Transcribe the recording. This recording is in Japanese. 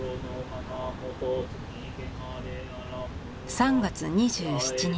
３月２７日。